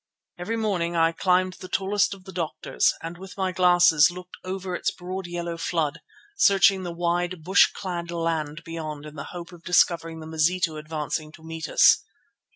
Every morning I climbed the tallest of the "Doctors" and with my glasses looked over its broad yellow flood, searching the wide, bush clad land beyond in the hope of discovering the Mazitu advancing to meet us.